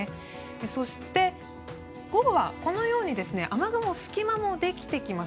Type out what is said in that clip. そして、午後はこのように雨雲の隙間もできてきます。